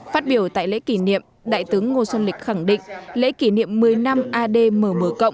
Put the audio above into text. phát biểu tại lễ kỷ niệm đại tướng ngô xuân lịch khẳng định lễ kỷ niệm một mươi năm admm